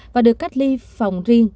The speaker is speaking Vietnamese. và được cách ly phòng riêng